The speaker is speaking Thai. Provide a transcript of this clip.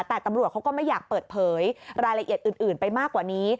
แต่ตำรวจเขาก็ไม่อยากเปิดเผยรายละเอียดอื่นไปมากกว่านี้